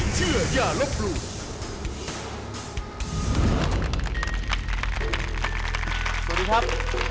สวัสดีครับ